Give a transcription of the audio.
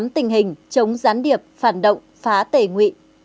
tình hình chống gián điệp phản động phá tể nguyện